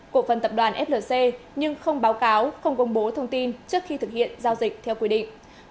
cổ phần tập đoàn flc nhưng không báo cáo không công bố thông tin trước khi thực hiện giao dịch theo quy định